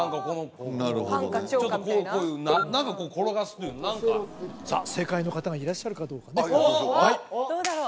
なるほどね何かこう転がすという何かさあ正解の方がいらっしゃるかどうかねどうだろう？